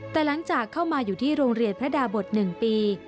แต่หลังจากเข้ามาอยู่ที่โรงเรียนพระดาบท๑ปี